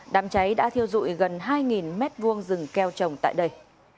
đám cháy đã thiêu dụi gần hai m hai rừng keo trồng tại đây